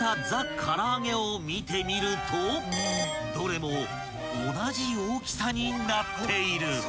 から揚げを見てみるとどれも同じ大きさになっている］